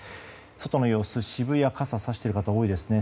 外の様子、渋谷傘をさしている方多いですね。